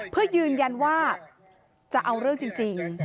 เพื่อยืนยันว่าจะเอาเรื่องจริง